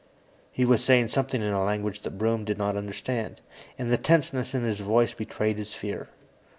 He was saying something in a language that Broom did not understand, and the tenseness in his voice betrayed his fear.